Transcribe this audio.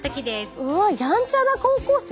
うわやんちゃな高校生？